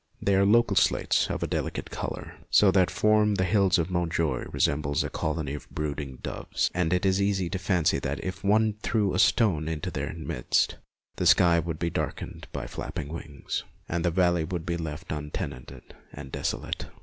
They are local slates of a delicate colour, so that from the hills Montjoie re sembles a colony of brooding doves, and it is easy to fancy that if one threw a stone MONTJOIE 245 into their midst the sky would be darkened by flapping wings, and the valley would be left untenanted and desolate.